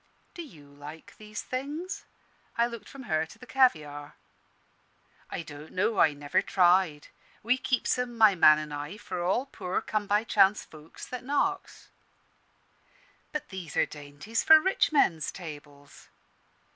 "Do you like these things?" I looked from her to the caviare. "I don't know. I never tried. We keeps 'em, my man an' I, for all poor come by chance folks that knocks." "But these are dainties for rich men's tables."